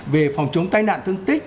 về phòng chống tai nạn thương tích